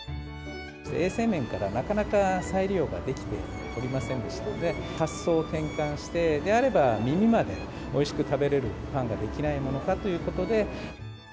衛生面から、なかなか再利用ができておりませんでしたので、発想を転換して、であれば、耳までおいしく食べれるパンができないものかということで。